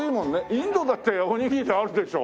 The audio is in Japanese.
インドだっておにぎりあるでしょ？